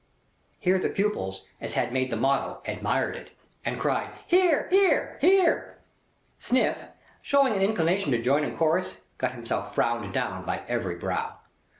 '" Here the pupils as had made the motto, admired it, and cried, "Hear! Hear! Hear!" Sniff, showing an inclination to join in chorus, got himself frowned down by every brow.